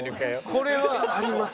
これはあります。